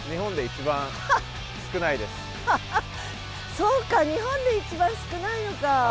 そうか日本で一番少ないのか。